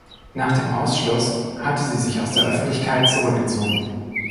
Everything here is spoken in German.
Nach dem Ausschluss hatte sie sich aus der Öffentlichkeit zurückgezogen.